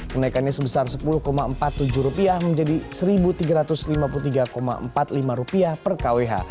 kenaikannya sebesar rp sepuluh empat puluh tujuh menjadi rp satu tiga ratus lima puluh tiga empat puluh lima per kwh